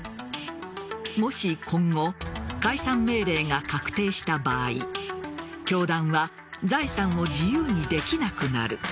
もし今後解散命令が確定した場合教団は財産を自由にできなくなる。